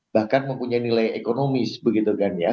bahkan mempunyai nilai ekonomis begitu kan ya